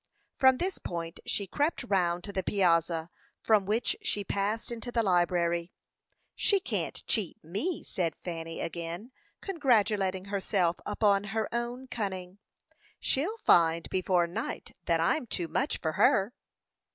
From this point she crept round to the piazza, from which she passed into the library. "She can't cheat me!" said Fanny, again congratulating herself upon her own cunning. "She'll find, before night, that I'm too much for her."